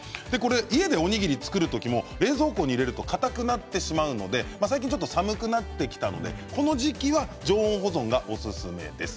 家でおにぎりを作る時も冷蔵庫に入れるとかたくなってしまうので最近、寒くなってきたのでこの時期は常温保存がおすすめです。